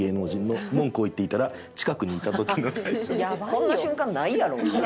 こんな瞬間ないやろ。